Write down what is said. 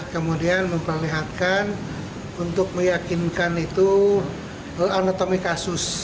kemudian memperlihatkan untuk meyakinkan itu anatomi kasus